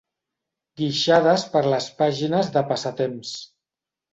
Guixades per les pàgines de passatemps.